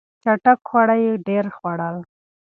چټک خواړه یې ډېر خوړل.